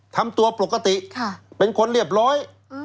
ทำตัวปกติเป็นคนเรียบร้อย